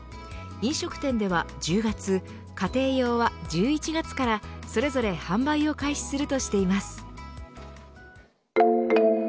飲食店では１０月家庭用は１１月からそれぞれ販売を開始するとしています。